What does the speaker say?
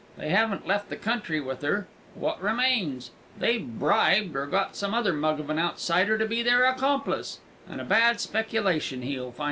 They haven't left the country with her. What remains? They've bribed or got over some mug of an outsider to be their accomplice, and a bad speculation he'll find it, too."